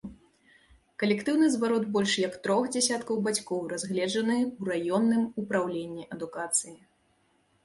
Калектыўны зварот больш як трох дзясяткаў бацькоў разгледжаны ў раённым упраўленні адукацыі.